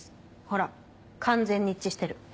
ほら完全に一致してる。